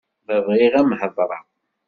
Ma bɣiɣ ad m-heḍreɣ.